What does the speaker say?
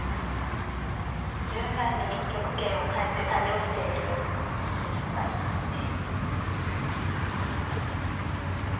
柔軟に玉形を変えて対応している印象がありますね。